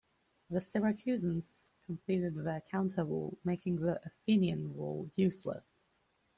The Syracusans completed their counter-wall, making the Athenian wall useless.